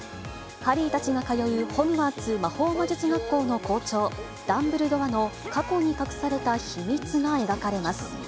ハリーたちが通うホグワーツ魔法魔術学校の校長、ダンブルドアの過去に隠された秘密が描かれます。